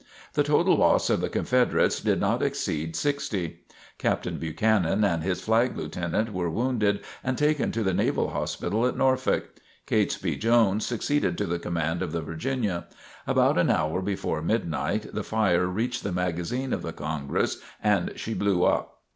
The total loss of the Confederates did not exceed sixty. Captain Buchanan and his flag lieutenant were wounded and taken to the Naval Hospital at Norfolk. Catesby Jones succeeded to the command of the "Virginia." About an hour before midnight the fire reached the magazine of the "Congress" and she blew up.